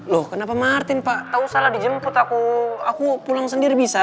loh kenapa martin pak tak usah lah dijemput aku pulang sendiri bisa